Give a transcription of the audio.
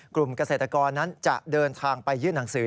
กลุ่มเกษตรกรนั้นจะเดินทางไปยื่นหนังสือ